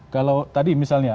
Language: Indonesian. kalau tadi misalnya